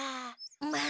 まあ。